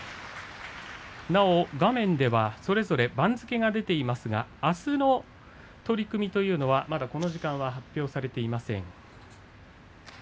画面では、それぞれ番付が出ていますがあすの取組というのは、まだこの時間は発表されていません。